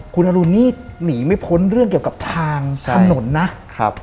คุณอรุณนี่หนีไม่พ้นเรื่องเกี่ยวกับทางถนนนะครับ